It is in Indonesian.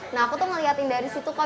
nah aku tuh ngeliatin dari situ kak